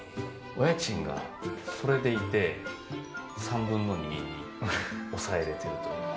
お家賃がそれでいて３分の２に抑えられているという。